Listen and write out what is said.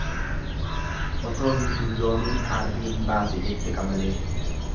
Otoo hin dulloomiin arriin baase jette qamaleen.